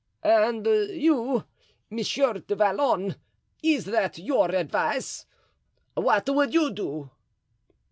"And you, Monsieur du Vallon, is that your advice? What would you do?"